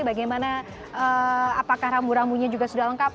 bagaimana apakah rambu rambunya juga sudah lengkap